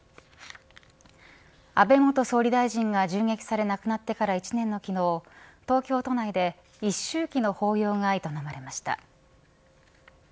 安倍元総理大臣が銃撃され亡くなってから、１年の昨日東京都内で一周忌の法要が営まれました。